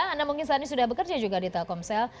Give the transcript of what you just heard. anda mungkin saat ini sudah bekerja juga di telkomsel